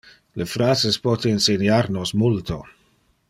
Le phrases pote inseniar nos multo.